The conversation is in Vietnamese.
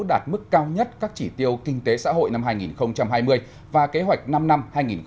đạt mức cao nhất các chỉ tiêu kinh tế xã hội năm hai nghìn hai mươi và kế hoạch năm năm hai nghìn hai mươi hai nghìn hai mươi